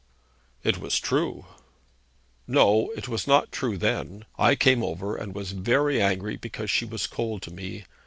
'It was true.' 'No; it was not true then. I came over, and was very angry because she was cold to me.